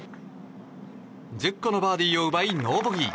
１０個のバーディーを奪いノーボギー。